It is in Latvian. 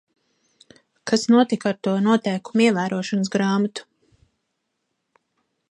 "Kas notika ar to "noteikumu ievērošanas grāmatu"?"